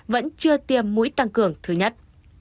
vẫn chưa tiêm mũi tăng cường thứ nhất